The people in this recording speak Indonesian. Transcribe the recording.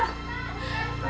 ada apa tuh pak